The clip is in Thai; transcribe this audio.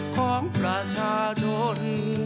ของประชาชน